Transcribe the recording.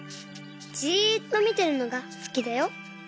じっとみてるのがすきだよ。